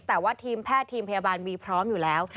แต่ว่าทีมแพทย์ทีมพยาบาลมีพร้อมอยู่แล้ว